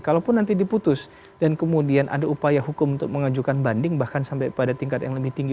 kalaupun nanti diputus dan kemudian ada upaya hukum untuk mengajukan banding bahkan sampai pada tingkat yang lebih tinggi